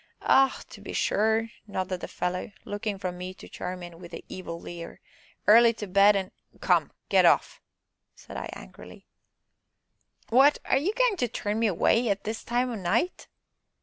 "Ah to be sure!" nodded the fellow, looking from me to Charmian with an evil leer, "early to bed an' " "Come get off!" said I angrily. "Wot are ye goin' to turn me away at this time o' night!"